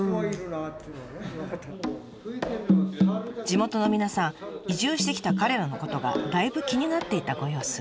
地元の皆さん移住してきた彼らのことがだいぶ気になっていたご様子。